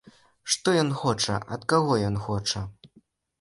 Што ён хоча, ад каго ён хоча?